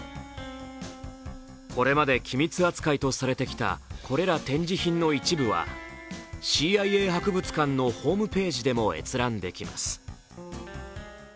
これまで機密扱いとされてきたこれら展示品の一部はＣＩＡ博物館のホームページでも閲覧できます。